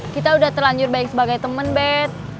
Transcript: kita udah terlanjur baik sebagai temen bet